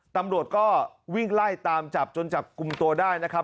ตำรวจก็วิ่งไล่ตามจับจนจับกลุ่มตัวได้นะครับ